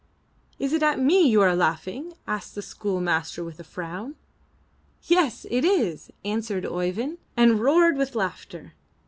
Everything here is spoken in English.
''Is it at me you are laughing?" asked the school master with a frown. "Yes, it is," answered Oeyvind, and roared with laughter.